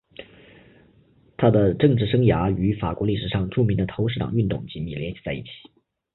他的政治生涯与法国历史上著名的投石党运动紧密联系在一起。